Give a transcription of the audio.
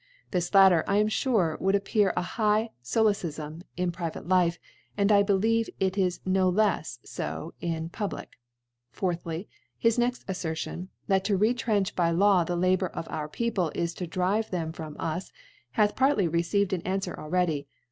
This latter, I am fure, would appear a high Solecifm in private Life, and I believe it is no lefs fo in public. 4Jhl}\ His next Af&rtion, fbaf to rf tnncb by Law the Labour of our People^ is to drive tbem from us^ hath partly received an Anfwer already.